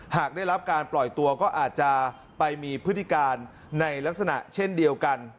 หากได้รับการปล่อยตัวก็อาจจะไปมีพฤติการในลักษณะเช่นเดียวกัน